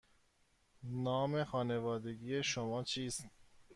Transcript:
نام خانوادگی شما چیست؟